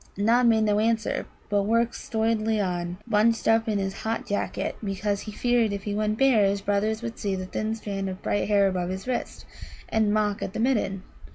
Nod made no answer, but worked stolidly on, bunched up in his hot jacket, because he feared if he went bare his brothers would see the thin strand of bright hair about his wrist, and mock at the Midden.